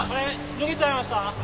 脱げちゃいました？